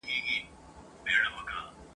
بې خبره د ښاریانو له دامونو ..